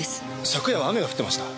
昨夜は雨が降ってました。